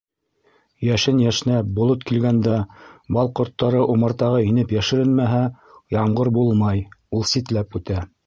Йәшен йәшнәп, болот килгәндә бал ҡорттары умартаға инеп йәшеренмәһә, ямғыр булмай, ул ситләп үтә.